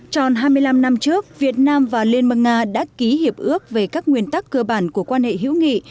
tròn hai mươi năm năm trước việt nam và liên bang nga đã ký hiệp ước về các nguyên tắc cơ bản của quan hệ hữu nghị